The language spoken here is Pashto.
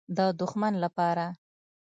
_د دښمن له پاره.